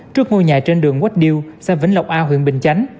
trước ngôi nhà trên đường quách điêu xã vĩnh lộc a huyện bình chánh